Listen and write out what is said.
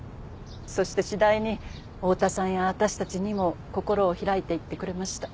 そして次第に大多さんや私たちにも心を開いていってくれました。